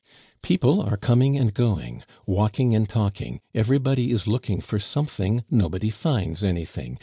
People are coming and going, walking and talking, everybody is looking for something, nobody finds anything.